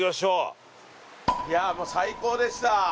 いやもう最高でした。